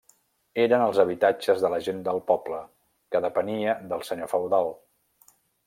Eren els habitatges de la gent del poble que depenia del senyor feudal.